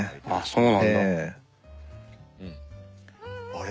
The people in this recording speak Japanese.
あれ？